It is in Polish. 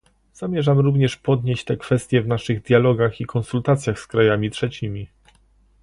Zamierzamy również podnieść te kwestie w naszych dialogach i konsultacjach z krajami trzecimi